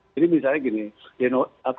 jadi misalnya gini